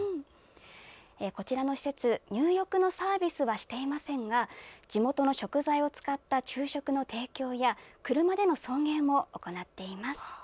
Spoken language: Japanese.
こちらの施設入浴のサービスはしていませんが地元の食材を使った昼食の提供や車での送迎も行っています。